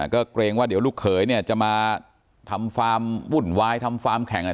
ก็เกรงว่าเดี๋ยวลูกเขยเนี่ยจะมาทำฟาร์มวุ่นวายทำฟาร์มแข่งอะไร